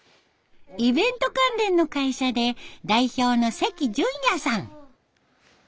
イベント関連の会社で代表の関潤也さん。